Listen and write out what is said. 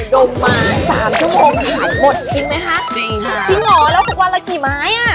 ดมไม้สามชั่วโมงมาถ่ายหมดกินไหมฮะจริงครับที่งอแล้วทุกวันละกี่ไม้อ่ะ